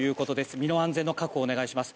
身の安全の確保をお願いします。